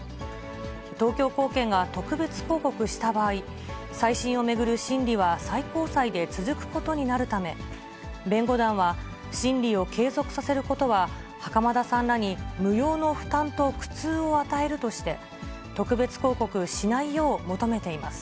東京高検が特別抗告した場合、再審を巡る審理は最高裁で続くことになるため、弁護団は、審理を継続させることは、袴田さんらに無用の負担と苦痛を与えるとして、特別抗告しないよう求めています。